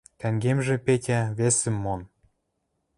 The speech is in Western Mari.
Тӓнгемжӹ, Петя, весӹм мон.